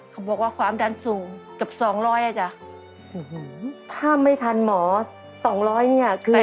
เขาบอกว่าความดันสูงเกือบสองร้อยอ่ะจ้ะถ้าไม่ทันหมอสองร้อยเนี่ยคือ